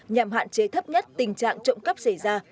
nhằm hạn chế thấp nhất tình trạng trộm cắp xảy ra